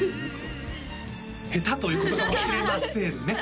下手ということかもしれませんね